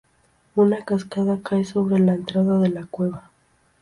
Una cascada cae sobre la entrada de la cueva.